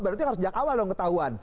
berarti harus sejak awal dong ketahuan